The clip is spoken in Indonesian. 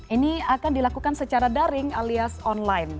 ini akan dilakukan secara daring alias online